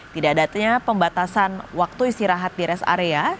tidak adanya pembatasan waktu istirahat di rest area